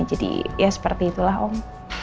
jadi ya seperti itulah om